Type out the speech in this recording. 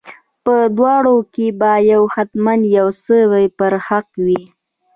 په دواړو کې به یو حتما یو څه پر حق وي.